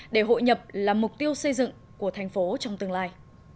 để hội nhập là mục tiêu xây dựng của thành phố trong tương lai